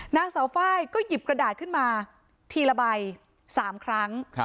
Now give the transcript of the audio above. นางเสาไฟก็หยิบกระดาษขึ้นมาทีละใบ๓ครั้ง